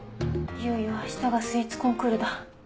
いよいよ明日がスイーツコンクールだ。